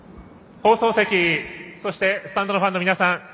放送席、そしてスタンドのファンの皆さん。